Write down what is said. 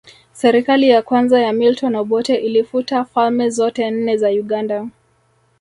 Serikali ya kwanza ya Milton Obote ilifuta falme zote nne za Uganda